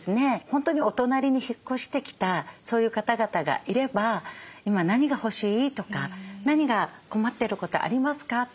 本当にお隣に引っ越してきたそういう方々がいれば「今何が欲しい？」とか「何か困ってることありますか？」。